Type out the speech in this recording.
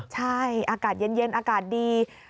ใช่อากาศเย็นอากาศดี